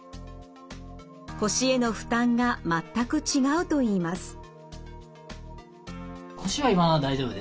腰への負担が全く違うといいます。